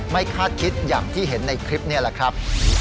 คาดคิดอย่างที่เห็นในคลิปนี้แหละครับ